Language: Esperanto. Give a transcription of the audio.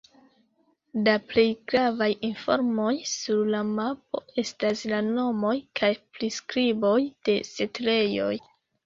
La plej gravaj informoj sur la mapo estas la nomoj kaj priskriboj de setlejoj.